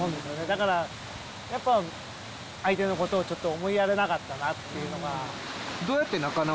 だから、やっぱ相手のことをちょっと思いやれなかったなというのが。